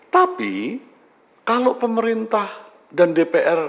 tapi kalau pemerintah dan dpr